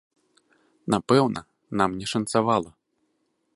Напэўна, нам не шанцавала.